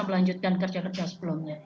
melanjutkan kerja kerja sebelumnya